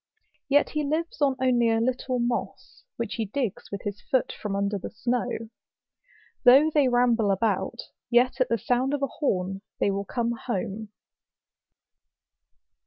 Yet he lives on only a little moss, which he digs with his foot from under the snow. Though they ramble about, yet at the sound of a horn they will come home.